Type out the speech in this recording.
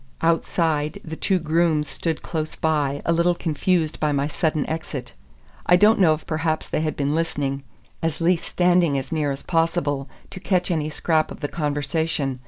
Outside, the two grooms stood close by, a little confused by my sudden exit. I don't know if perhaps they had been listening, at least standing as near as possible, to catch any scrap of the conversation.